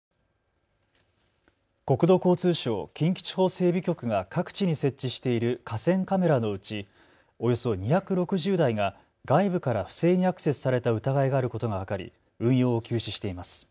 国土交通省近畿地方整備局が各地に設置している河川カメラのうち、およそ２６０台が外部から不正にアクセスされた疑いがあることが分かり運用を休止しています。